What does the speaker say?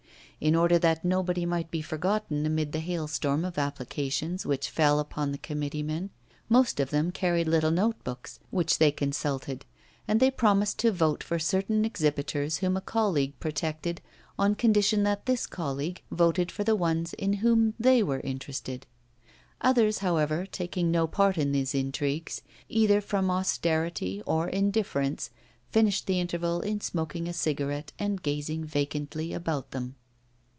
In order that nobody might be forgotten amid the hailstorm of applications which fell upon the committee men, most of them carried little note books, which they consulted; and they promised to vote for certain exhibitors whom a colleague protected on condition that this colleague voted for the ones in whom they were interested. Others, however, taking no part in these intrigues, either from austerity or indifference, finished the interval in smoking a cigarette and gazing vacantly about them.